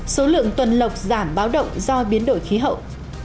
số lượng tuần lọc giảm báo động do biến đổi khí hậu